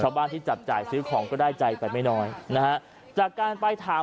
ที่จับจ่ายซื้อของก็ได้ใจไปไม่น้อยนะฮะจากการไปถาม